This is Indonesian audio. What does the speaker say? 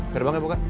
ke depan ya boka